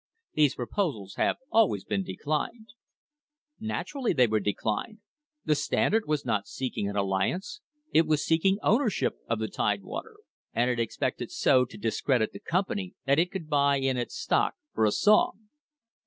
These proposals have always been declined." Naturally they were declined the Standard was not seek ing an alliance, it was seeking ownership of the Tidewater; and it expected so to discredit the company that it could buy in its stock for a song.